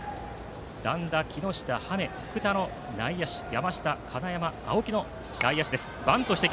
段田、木下、羽根、福田の内野手山下、金山、青木の外野手です。